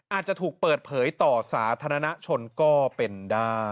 อาจจะถูกเปิดเผยต่อสาธารณชนก็เป็นได้